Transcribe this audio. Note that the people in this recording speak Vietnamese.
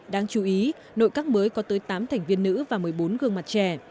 đáng chú ý nội các mới có tới tám thành viên nữ và một mươi bốn gương mặt trẻ